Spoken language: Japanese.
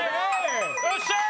よっしゃ！